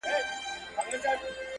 له بري څخه بري ته پاڅېدلی،